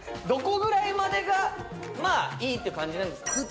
どこぐらいまでがいいって感じなんですかね？